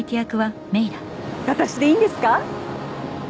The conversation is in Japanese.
私でいいんですか？